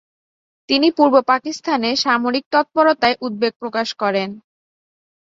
তিনি পূর্ব পাকিস্তানে সামরিক তৎপরতায় উদ্বেগ প্রকাশ করেন।